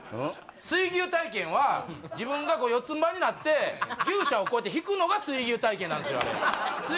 水牛体験は自分が四つんばいになって牛車をひくのが水牛体験なんですよ